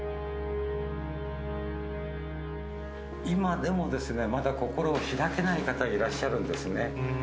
今でもですね、まだ心を開けない方がいらっしゃるんですね。